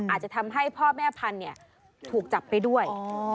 อาจจะทำให้พ่อแม่พันธุ์ถูกจับไปด้วย